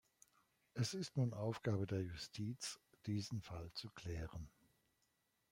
Es ist nun Aufgabe der Justiz, diesen Fall zu klären.